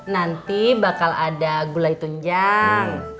nanti bakal ada gulai tunjang